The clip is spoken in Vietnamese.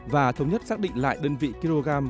và thống nhất xác định lại đơn vị kg